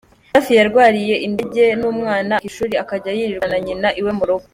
Safi yarwariwe indege n'umwana, areka ishuri akazajya yirirwana na nyina iwe mu rugo.